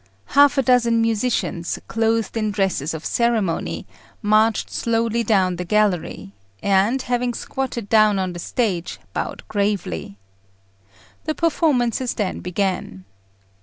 Half a dozen musicians, clothed in dresses of ceremony, marched slowly down the gallery, and, having squatted down on the stage, bowed gravely. The performances then began.